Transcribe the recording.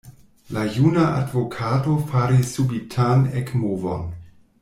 La juna advokato faris subitan ekmovon.